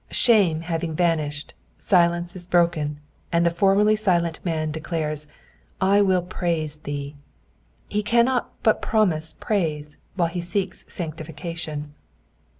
Shame having vanished, silence is broken, and the formerly silent man declares, ^*I will praise thee.^' He cannot but promise praise while he seeks sanctification.